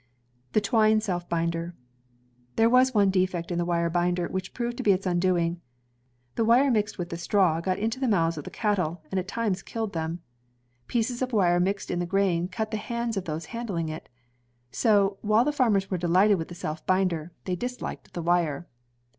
The Twine Seu bindeh There was one defect in the wire binder, which proved to be its undoing. The wire mixed with the straw got into the mouths of the cattle, and at tunes killed them. 158 INVENTIONS OF MANUFACTURE AND PRODUCTION Pieces of wire mixed in the grain cut the hands of those handling it. So, while the farmers were delighted with the self binder, they disliked the wire.